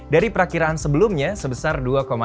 dari prakiraan sebelumnya sebesar dua enam